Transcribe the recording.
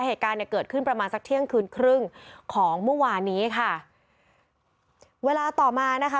เหตุการณ์เนี่ยเกิดขึ้นประมาณสักเที่ยงคืนครึ่งของเมื่อวานนี้ค่ะเวลาต่อมานะคะ